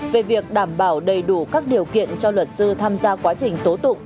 về việc đảm bảo đầy đủ các điều kiện cho luật sư tham gia quá trình tố tụng